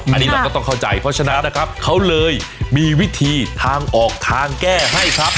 อันนี้เราก็ต้องเข้าใจเพราะฉะนั้นนะครับเขาเลยมีวิธีทางออกทางแก้ให้ครับ